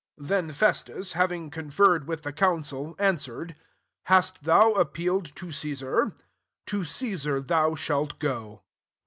*' 12 Then Fes tus, having conferred with the council, answered^ <' Hmat thM appealed to Caesar ? to Caeanr thou shalt go."